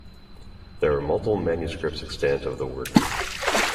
There are multiple manuscripts extant of the work.